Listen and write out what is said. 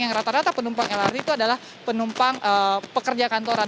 yang rata rata penumpang lrt itu adalah penumpang pekerja kantoran